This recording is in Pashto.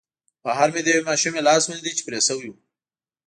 بهر مې د یوې ماشومې لاس ولید چې پرې شوی و